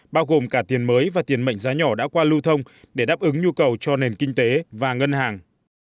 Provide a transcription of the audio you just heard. bao gồm cả tiền mới và tiền mệnh giá nhỏ đã qua lưu thông để đáp ứng nhu cầu cho nền kinh tế và ngân hàng